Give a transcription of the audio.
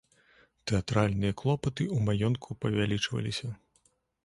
Тэатральныя клопаты ў маёнтку павялічваліся.